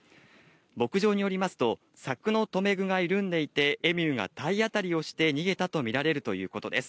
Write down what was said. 牧場によりますと、柵の留め具が緩んでいて、エミューが体当たりをして逃げたと見られるということです。